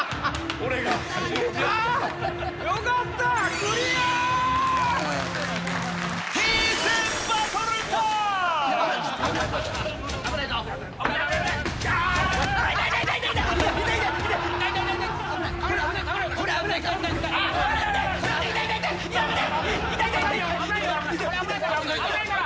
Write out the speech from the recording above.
これ危ないから。